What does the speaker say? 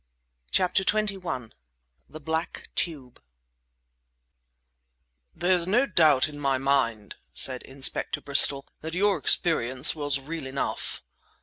CHAPTER XXI THE BLACK TUBE "There's no doubt in my mind," said Inspector Bristol, "that your experience was real enough."